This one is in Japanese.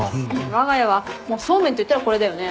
わが家はそうめんといったらこれだよね。